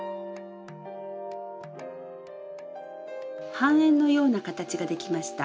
半円のような形ができました。